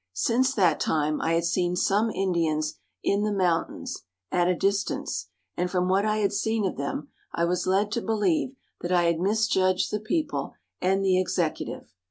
Since that time I had seen some Indians in the mountains at a distance and from what I had seen of them I was led to believe that I had misjudged the people and the executive.